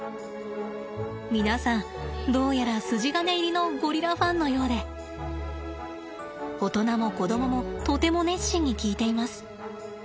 皆さんどうやら筋金入りのゴリラファンのようで大人も子どももとても熱心に聞いています。